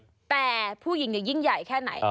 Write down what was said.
แต่ผู้หญิงยิ่งใหญ่แค่ไหน